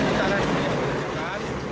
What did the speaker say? utara dulu dikerjakan